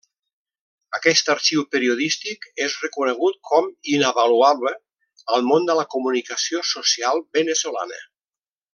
Aquest arxiu periodístic és reconegut com a inavaluable al món de la comunicació social veneçolana.